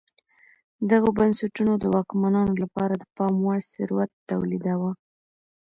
دغو بنسټونو د واکمنانو لپاره د پام وړ ثروت تولیداوه